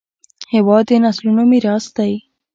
هېواد د نسلونو میراث دی.